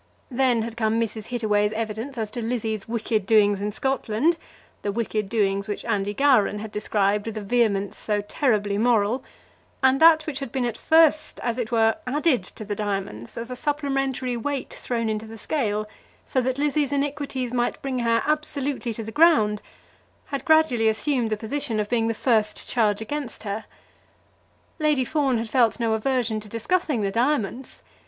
Then had come Mrs. Hittaway's evidence as to Lizzie's wicked doings down in Scotland, the wicked doings which Andy Gowran had described with a vehemence so terribly moral; and that which had been at first, as it were, added to the diamonds, as a supplementary weight thrown into the scale, so that Lizzie's iniquities might bring her absolutely to the ground, had gradually assumed the position of being the first charge against her. Lady Fawn had felt no aversion to discussing the diamonds.